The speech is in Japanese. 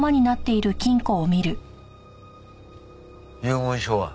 遺言書は？